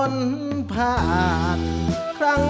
ไม่ใช้ครับไม่ใช้ครับ